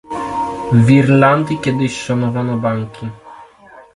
W Irlandii kiedyś szanowano banki